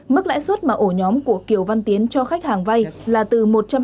mức lãi suất mà ổ nhóm của kiều văn tiến cho khách hàng vay là từ một trăm hai mươi tám năm